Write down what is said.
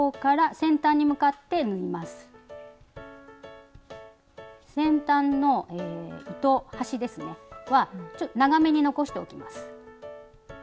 先端の糸端は長めに残しておきます。